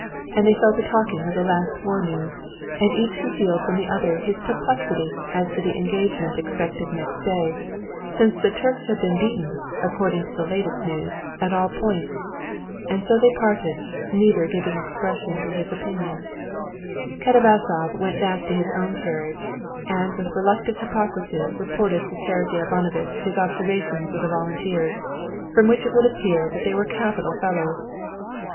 And they fell to talking of the last war news, and each concealed from the other his perplexity as to the engagement expected next day, since the Turks had been beaten, according to the latest news, at all points. And so they parted, neither giving expression to his opinion. Katavasov went back to his own carriage, and with reluctant hypocrisy reported to Sergey Ivanovitch his observations of the volunteers, from which it would appear that they were capital fellows.